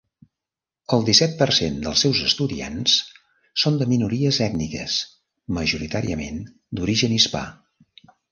El disset per cent dels seus estudiants són de minories ètniques, majoritàriament d'origen hispà.